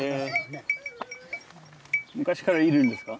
昔からいるんですか？